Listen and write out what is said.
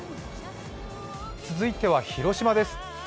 続いては広島です。